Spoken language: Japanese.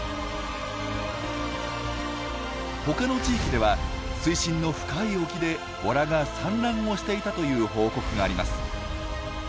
他の地域では水深の深い沖でボラが産卵をしていたという報告があります。